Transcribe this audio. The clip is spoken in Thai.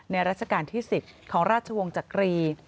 ราชการที่๑๐ของราชวงศ์จักรี